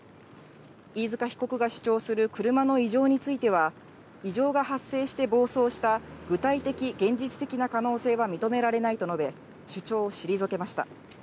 飯塚被告が主張する、車の異常については、異常が発生して暴走した具体的、現実的な可能性が認められないと述べ、主張を退けました。